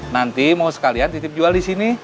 nanti mau sekalian titip jual di sini